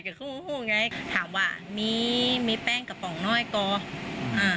คู่หู้ไงถามว่ามีมีแป้งกระป๋องน้อยก่ออ่า